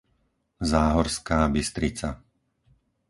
Záhorská Bystrica